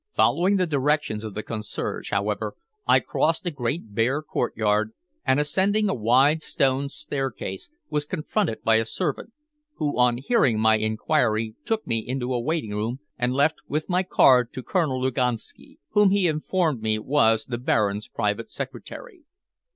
Following the directions of the concierge, however, I crossed a great bare courtyard, and, ascending a wide stone staircase, was confronted by a servant, who, on hearing my inquiry took me into a waiting room, and left with my card to Colonel Luganski, whom he informed me was the Baron's private secretary.